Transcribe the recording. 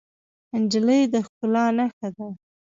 نجلۍ د ښکلا نښه ده.